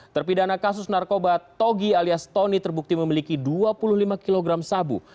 terpidana kasus narkoba togi alias tony terbukti memiliki dua puluh lima kg sabu